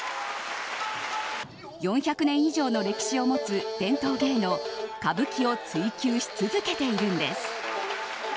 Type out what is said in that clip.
４００年以上の歴史を持つ伝統芸能・歌舞伎を追求し続けているんです。